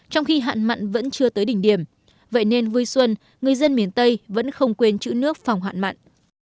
trong khi hạn mặn vẫn chưa tới đỉnh điểm vậy nên vui xuân người dân miền tây vẫn không quên chữ nước phòng hạn mặn